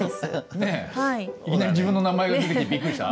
はいいきなり自分の名前が出てきてびっくりした？